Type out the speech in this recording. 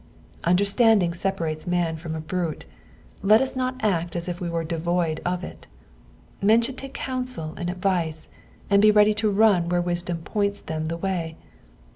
Un derstanding separates man from a brute^let us not act as if we were devoid of it. Men should take counsel and advice, and be ready to run where n'iadom points them the way.